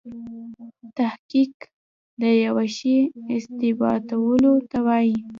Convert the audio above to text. تحقیق دیوه شي اثباتولو ته وايي.